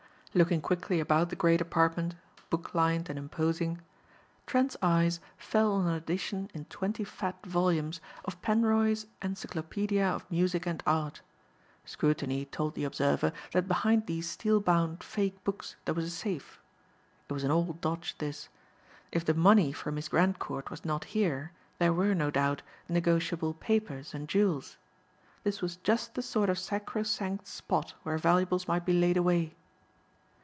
Looking quickly about the great apartment, book lined and imposing, Trent's eyes fell on an edition in twenty fat volumes of Penroy's Encyclopædia of Music and Art. Scrutiny told the observer that behind these steel bound fake books there was a safe. It was an old dodge, this. If the money for Miss Grandcourt was not here there were, no doubt, negotiable papers and jewels. This was just the sort of sacro sanct spot where valuables might be laid away.